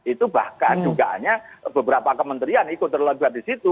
itu bahkan dugaannya beberapa kementerian ikut terlibat di situ